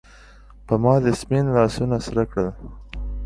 پۀ ما دې سپین لاسونه سرۀ کړل